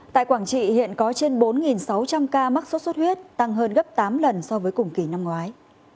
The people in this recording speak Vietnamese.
tại quảng trị hiện có trên bốn sáu trăm linh ca mắc sốt xuất huyết tăng hơn gấp tám lần so với cùng kỳ năm ngoái